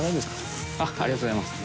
ありがとうございます。